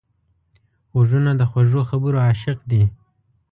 غوږونه د خوږو خبرو عاشق دي